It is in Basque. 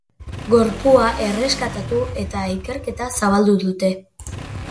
Gorpua erreskatatu eta ikerketa zabaldu dute.